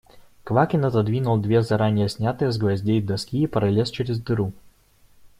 Квакин отодвинул две заранее снятые с гвоздей доски и пролез через дыру.